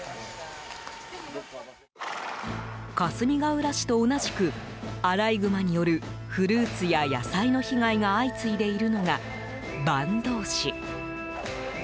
かすみがうら市と同じくアライグマによるフルーツや野菜の被害が相次いでいるのが坂東市。